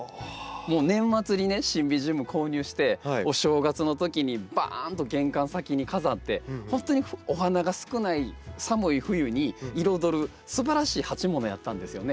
もう年末にねシンビジウム購入してお正月のときにバーンと玄関先に飾ってほんとにお花が少ない寒い冬に彩るすばらしい鉢ものやったんですよね。